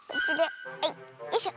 よいしょ。